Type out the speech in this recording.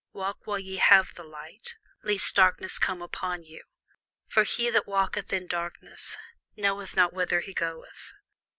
Walk while ye have the light, lest darkness come upon you: for he that walketh in darkness knoweth not whither he goeth.